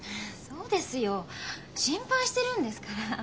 そうですよ心配してるんですから。